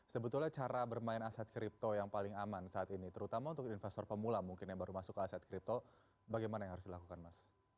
sebetulnya cara bermain aset kripto yang paling aman saat ini terutama untuk investor pemula mungkin yang baru masuk ke aset kripto bagaimana yang harus dilakukan mas